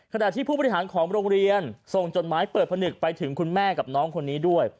ขณะที่ผู้บริหารของโรงเรียนส่งจดหมายเปิดผนึกไปถึงคุณแม่กับน้องคนนี้ด้วย